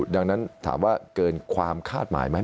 ดังนั้นถามว่าเกินความคาดหมายไหม